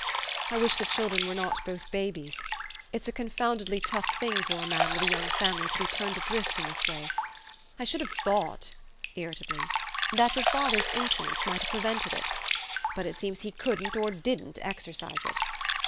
I wish the children were not both babies. It's a confoundedly tough thing for a man with a young family to be turned adrift in this way. I should have thought/' irritably, "that your father's influence fnight have prevented it. But it seems he couldn't or didn't exercise it.